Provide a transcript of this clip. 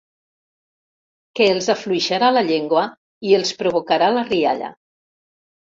Que els afluixarà la llengua i els provocarà la rialla.